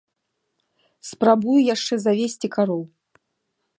Спрабую яшчэ завесці кароў.